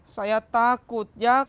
saya takut ya